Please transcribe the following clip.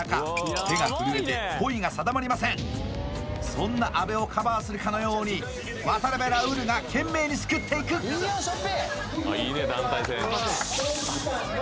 そんな阿部をカバーするかのように渡辺ラウールが懸命にすくっていくやった！